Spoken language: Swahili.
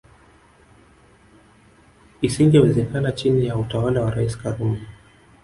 Isingewezekana chini ya utawala wa Rais Karume